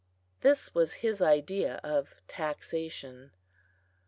(This was his idea of taxation.)